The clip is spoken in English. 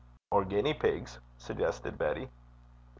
'Or guinea pigs,' suggested Betty.